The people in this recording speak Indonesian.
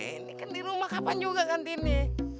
ini kan di rumah kapan juga gantiinnya